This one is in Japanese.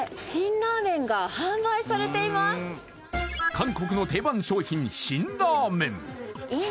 韓国の定番商品辛ラーメン